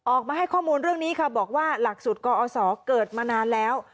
ออกมาให้ข้อมูลเรื่องนี้ค่ะบอกว่าหลักสูตรกอศเกิดมานานแล้ว